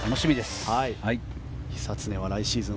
久常は来シーズン